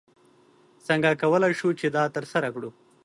څنګه کولی شو چې دا ترسره کړو؟